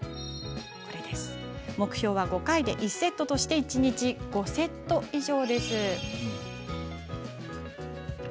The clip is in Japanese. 目標は５回で１セットとして一日５セット以上。